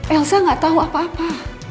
elsa gak tau apa apa